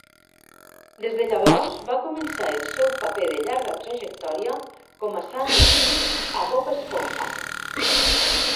Des de llavors, va començar el seu paper de llarga trajectòria com a Sandy Cheeks a "Bob Esponja".